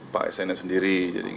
pak sns sendiri